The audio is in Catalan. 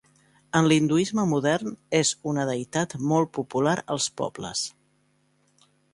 En l'hinduisme modern és una deïtat molt popular als pobles.